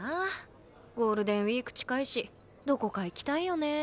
ゴールデンウィーク近いしどこか行きたいよねえ。